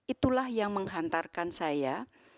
itulah yang menghantarkan saya